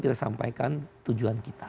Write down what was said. kita sampaikan tujuan kita